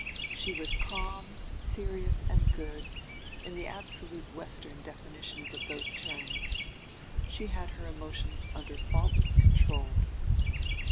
She was calm, serious and good, in the absolute Western definitions of those terms; she had her emotions under faultless control.